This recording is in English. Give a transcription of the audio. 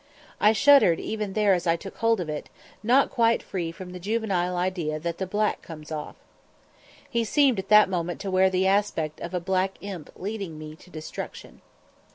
I shuddered even there as I took hold of it, not quite free from the juvenile idea that "the black comes off." He seemed at that moment to wear the aspect of a black imp leading me to destruction.